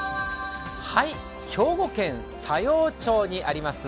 兵庫県佐用町にあります